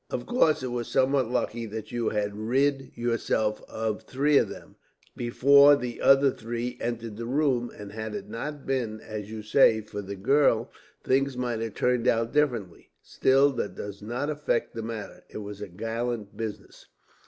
Of course, it was somewhat lucky that you had rid yourself of three of them, before the other three entered the room; and had it not been, as you say, for that girl, things might have turned out differently. Still, that does not affect the matter. It was a gallant business.